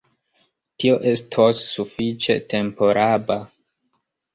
Tio estos sufiĉe temporaba.